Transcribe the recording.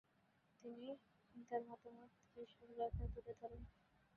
তিনি তার মতামত এসব লেখায় তুলে ধরেন।